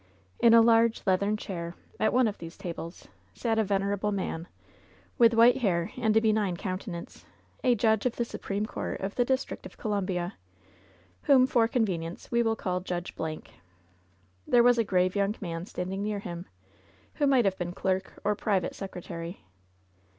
In a large leathern chair, at one of these tables, sat a 108 loVe's bitterest cup venerable man, with white hair and a benign counter nance, a judge of the Supreme Court of the District of Columbia, whom, for convenience, we will call Judge Blank. There was a grave young man standing near him, who might have been clerk or private secretary.